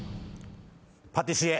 パティシエ。